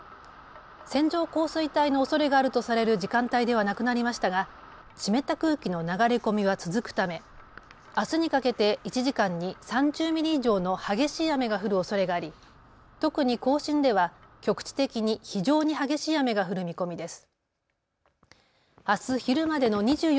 線状降水帯のおそれがあるとされる時間帯ではなくなりましたが湿った空気の流れ込みは続くためあすにかけて１時間に３０ミリ以上の激しい雨が降るおそれがあり特に甲信では局地的に非常に激しい雨が降る見込みです。